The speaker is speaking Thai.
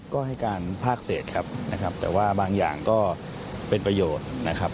ก็ให้การภาคเศษครับนะครับแต่ว่าบางอย่างก็เป็นประโยชน์นะครับ